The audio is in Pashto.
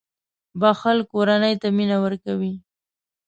• بښل کورنۍ ته مینه ورکوي.